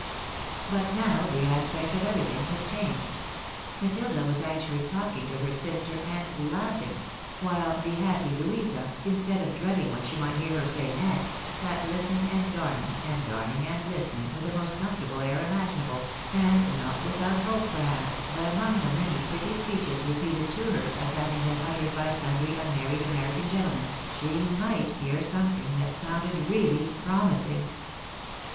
But now the aspect of everything was changed. Matilda was actually talking to her sister and laugliing ; while the happy Louisa, instead of dreading what she might hear her say next, sat listening and darning, and darning and listening, with the most comfortable air imaginable; and not without hope, perhaps, that among the many pretty speeches repeated to her as having been uttered by A PAETITTON OF ADVANTAGES. 1G9 sundry unmarried American gentlemen, she might hear something that sounded really promising.